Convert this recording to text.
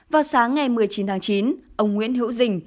vào sáng ngày một mươi chín tháng chín ông nguyễn hữu dình